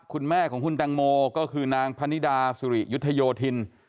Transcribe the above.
คุณแม่ของคุณแตงโมก็คือนางพนิดาสุริยุทธโยธิน